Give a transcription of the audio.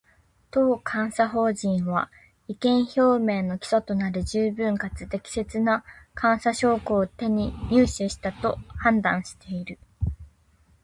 当監査法人は、意見表明の基礎となる十分かつ適切な監査証拠を入手したと判断している